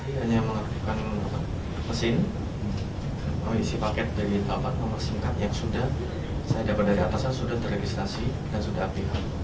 saya hanya mengaktifkan mesin mengisi paket dari tabat nomor sim card yang sudah saya dapat dari atasan sudah teregistrasi dan sudah aph